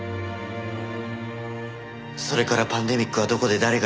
それからパンデミックはどこで誰が引き起こすのか